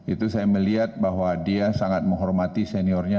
itu saya melihat bahwa dia sangat menghormati seniornya